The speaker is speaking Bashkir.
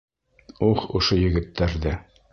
Ух, ошо егеттәрҙе!